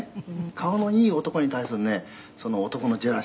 「顔のいい男に対するね男のジェラシーっていうのはね